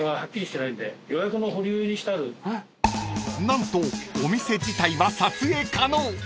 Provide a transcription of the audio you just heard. ［何とお店自体は撮影可能］